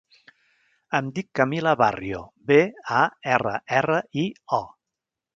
Em dic Camila Barrio: be, a, erra, erra, i, o.